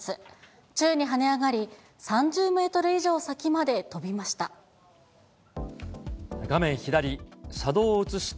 宙に跳ね上がり、３０メートル以上先まで飛びました。